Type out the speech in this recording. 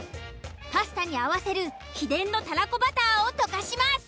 パスタに合わせる秘伝のたらこバターを溶かします。